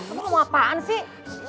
tante lo mau apaan sih